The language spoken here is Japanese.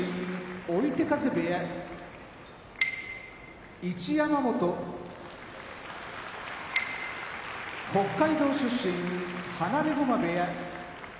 追手風部屋一山本北海道出身放駒部屋